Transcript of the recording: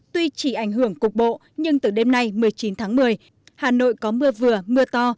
tuy chỉ ảnh hưởng cục bộ nhưng từ đêm nay một mươi chín tháng một mươi hà nội có mưa vừa mưa to